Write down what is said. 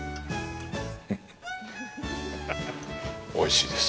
おいしいです。